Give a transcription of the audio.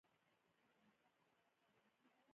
د کلو هغه غړي چې د تېښتې په جرم تورن دي، زولانه کړي